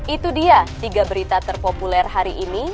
itu dia tiga berita terpopuler hari ini